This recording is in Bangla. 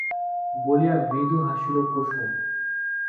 বলিয়া মৃদু হাসিল কুসুম।